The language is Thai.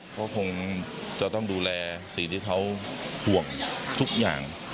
เขาคงจะต้องดูแลสิ่งที่เขาห่วงทุกอย่าง